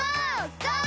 ゴー！